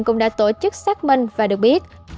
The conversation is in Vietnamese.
cũng đã tổ chức xác minh và được biết